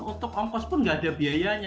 untuk ongkos pun nggak ada biayanya